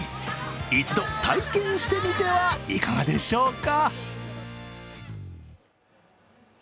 一度、体験してみてはいかがでしょうか？